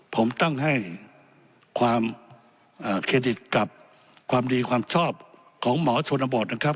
ผมต้องให้ความเครดิตกับความดีความชอบของหมอชนบทนะครับ